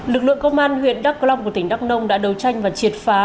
lực lượng công an huyện đắk lông của tỉnh đắk lông đã đấu tranh và triệt phá